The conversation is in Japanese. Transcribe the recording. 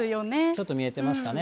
ちょっと見えてますかね。